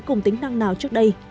cùng tính năng nào trước đây